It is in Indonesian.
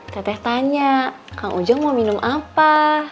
teteh tanya kang ujang mau minum apa